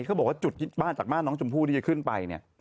เขาบอกว่าจุดที่บ้านจากบ้านน้องชมพู่ที่จะขึ้นไปเนี่ย